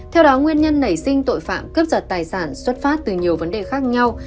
theo đó nguyên nhân nảy sinh tội phạm cướp giật tài sản xuất phát từ nhiều vấn đề khác nhau